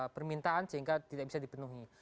permintaan sehingga tidak bisa dipenuhi